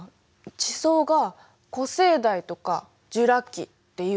地層が「古生代」とか「ジュラ紀」っていうじゃない。